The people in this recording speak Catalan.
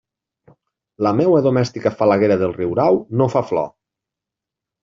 La meua domèstica falaguera del riurau no fa flor.